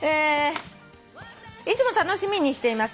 「いつも楽しみにしています」